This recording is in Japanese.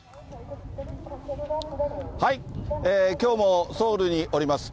きょうもソウルにおります。